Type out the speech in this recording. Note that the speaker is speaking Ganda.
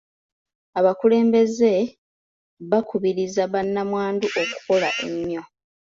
Abakulembeze bakubirizza ba nnamwandu okukola ennyo.